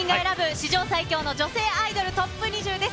史上最強の女性アイドルＴＯＰ２０です。